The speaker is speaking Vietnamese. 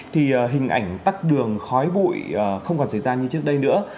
thì hình ảnh tắt đường khói bụi không còn xảy ra như trước đây nữa